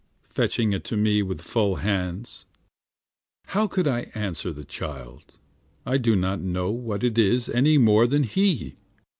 fetching it to me with full hands; How could I answer the child? I do not know what it is any more than he.